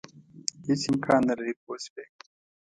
هېڅ امکان نه لري پوه شوې!.